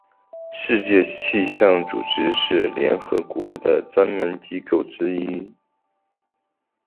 世界气象组织是联合国的专门机构之一。